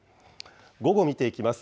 午後見ていきます。